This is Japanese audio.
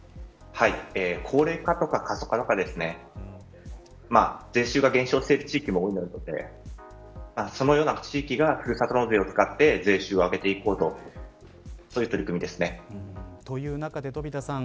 高齢化とか過疎化とか税収が減少している地域も多いのでそのような地域がふるさと納税を使って税収を上げていこうというという中で、飛田さん